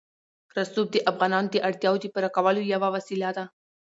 رسوب د افغانانو د اړتیاوو د پوره کولو یوه وسیله ده.